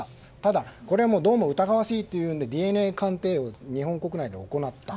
でもこれも疑わしいというのでＤＮＡ鑑定を日本国内で行った。